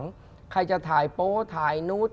ผู้หลังใครจะถ่ายโปรถ่ายเนิด